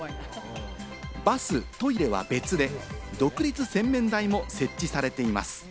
バス・トイレは別で、独立洗面台も設置されています。